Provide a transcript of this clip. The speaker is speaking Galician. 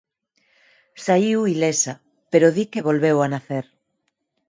Saíu ilesa, pero di que volveu a nacer.